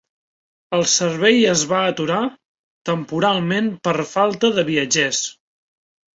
El servei es va aturar "temporalment" per falta de viatgers.